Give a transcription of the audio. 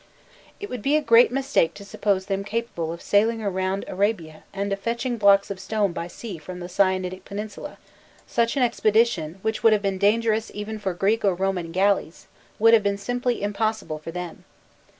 It would be a great mistake to suppose them capable of sailing round Arabia and of fetching blocks of stone by sea from the Sinaitic Peninsula; such an expedition, which would have been dangerous even for Greek or Roman Galleys, would have been simply impossible for them.